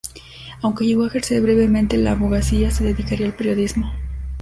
Aunque llegó a ejercer brevemente la abogacía, se dedicaría al periodismo.